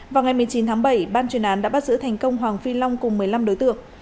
vào ngày một mươi chín tháng bảy ban chuyên án đã bắt giữ thành công hoàng phi long cùng một mươi năm đối tượng